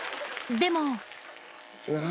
でも。